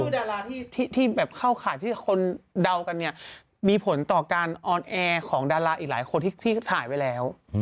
คือดาราที่แบบเข้าข่ายที่คนเดากันเนี่ยมีผลต่อการออนแอร์ของดาราอีกหลายคนที่ถ่ายไว้แล้ว